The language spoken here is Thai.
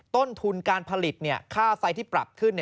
ต้นทุนการผลิตค่าไฟที่ปรับขึ้น